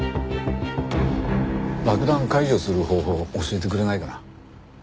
爆弾解除する方法教えてくれないかな？